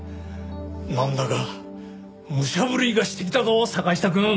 なんだか武者震いがしてきたぞ坂下くん！